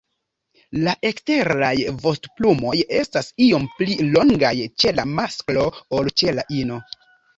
La eksteraj vostoplumoj estas iom pli longaj ĉe la masklo ol ĉe la ino.